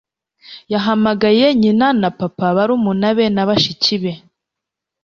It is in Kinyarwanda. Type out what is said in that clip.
yahamagaye nyina na papa, barumuna be na bashiki be